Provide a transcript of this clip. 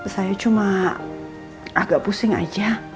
saya cuma agak pusing aja